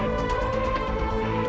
aku mau mencari uang buat bayar tebusan